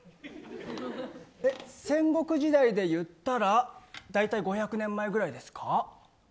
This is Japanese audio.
戦国時代でいったら大体５００年前ぐらいですか。